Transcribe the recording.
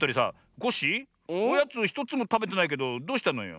コッシーおやつひとつもたべてないけどどうしたのよ？